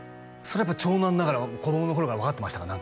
やっぱ長男ながら子供の頃から分かってましたか？